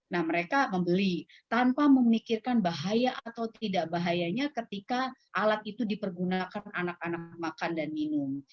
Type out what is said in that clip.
nah mereka membeli tanpa memikirkan bahaya atau tidak bahayanya ketika alat itu dipergunakan anak anak makan dan minum